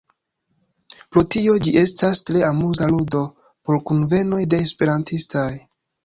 Pro tio, ĝi estas tre amuza ludo por kunvenoj de esperantistaj.